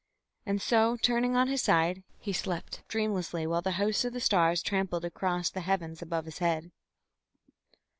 And so, turning on his side, he slept dreamlessly while the hosts of the stars trampled across the heavens above his head.